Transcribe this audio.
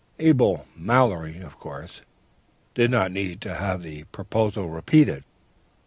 ... "Abel Mallory, of course, did not need to have the proposal repeated.